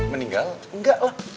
meninggal enggak lah